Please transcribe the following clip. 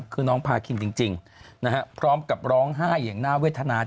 คือน้องพาคินจริงนะฮะพร้อมกับร้องไห้อย่างน่าเวทนา